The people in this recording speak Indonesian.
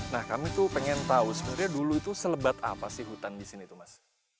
nah kami tuh pengen tahu sebenarnya dulu itu selebat apa sih hutan di sini tuh mas